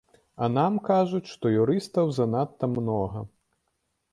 А нам кажуць, што юрыстаў занадта многа!